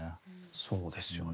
そうですよね。